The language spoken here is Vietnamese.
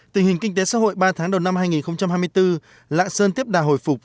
tình hình kinh tế xã hội ba tháng đầu năm hai nghìn hai mươi bốn lạng sơn tiếp đà hồi phục